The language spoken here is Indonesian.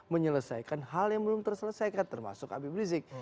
menyelesaikan hal yang belum terselesaikan termasuk abi blizik